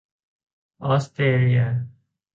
ออสเตรเลีย